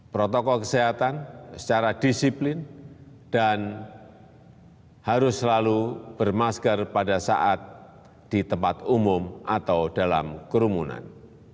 protokol kesehatan secara disiplin dan harus selalu bermasker pada saat di tempat umum atau dalam kerumunan